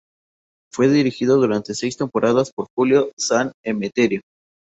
Fue dirigido durante seis temporadas por Julio San Emeterio.